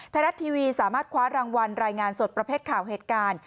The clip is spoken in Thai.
ไทยรัฐทีวีสามารถคว้ารางวัลรายงานสดประเภทข่าวเหตุการณ์